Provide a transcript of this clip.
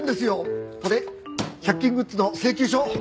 これ１００均グッズの請求書！